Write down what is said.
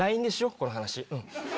この話。